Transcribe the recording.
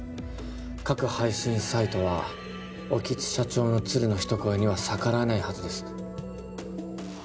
各配信サイトは興津社長の鶴の一声には逆らえないはずです